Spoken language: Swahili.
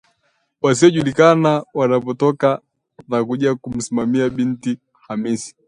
Wasiojuulikana wanapotoka na kuja kumsimamia binti Khamisi